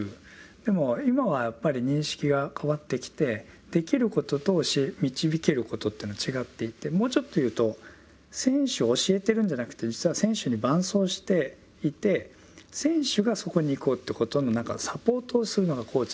でも今はやっぱり認識が変わってきてできることと教え導けることというのは違っていてもうちょっと言うと選手を教えてるんじゃなくて実は選手に伴走していて選手がそこに行こうってことの何かサポートをするのがコーチだっていう。